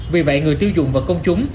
vì vậy người tiêu dụng và công chúng